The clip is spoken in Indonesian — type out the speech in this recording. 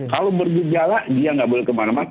kalau bergejala dia nggak boleh kemana mana